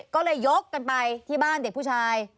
ก็เลยยกกันไปที่บ้านเด็กผู้ชาย